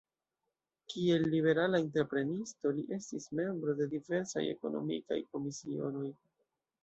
Kiel liberala entreprenisto li estis membro de diversaj ekonomikaj komisionoj.